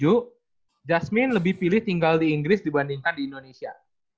justmin lebih pilih tinggal di inggris dibandingkan di indonesia